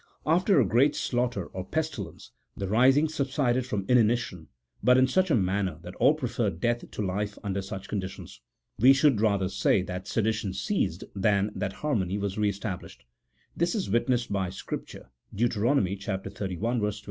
After a great slaughter, or pestilence, the rising subsided from inanition, but in such a manner that all preferred death to life under such conditions. We should rather say that sedition ceased than that harmony was re established. This is witnessed by Scrip ture (Deut. xxxi.